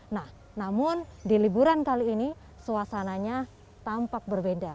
nah namun di liburan kali ini suasananya tampak berbeda